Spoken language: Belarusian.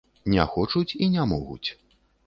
Не хочуць і не могуць.